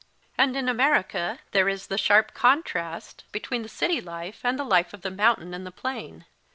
And in America there is the sharp contrast between the city life and the life of the mountain and the plain.